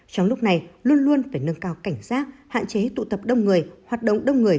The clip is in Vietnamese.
trong lúc này luôn luôn phải nâng cao cảnh giác hạn chế tụ tập đông người hoạt động đông người